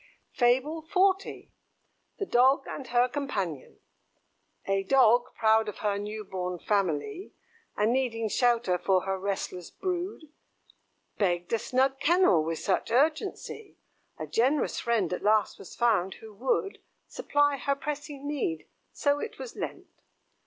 FABLE XL. THE DOG AND HER COMPANION. A Dog, proud of her new born family, And needing shelter for her restless brood, Begged a snug kennel with such urgency, A generous friend at last was found who would Supply her pressing need so it was lent.